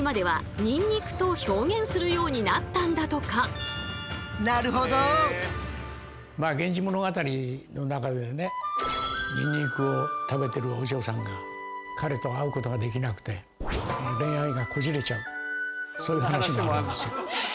ニンニクを食べてるお嬢さんが彼と会うことができなくて恋愛がこじれちゃうそういう話もあるんですよ。